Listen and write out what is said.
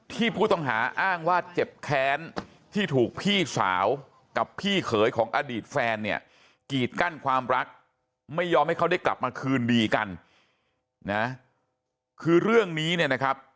ที่ผู้ต้องหาอ้างว่าเจ็บแค้นที่ถูกพี่สาวกับพี่เขยของอดีตแฟนเนี่ย